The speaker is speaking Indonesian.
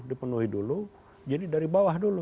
dipenuhi dulu jadi dari bawah dulu